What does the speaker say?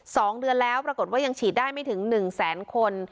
สองเดือนแล้วปรากฏว่ายังฉีดได้ไม่ถึงหนึ่งแสนคน